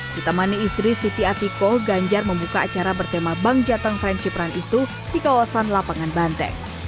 ditemani istri siti atiko ganjar membuka acara bertema bank jateng friendship run itu di kawasan lapangan banteng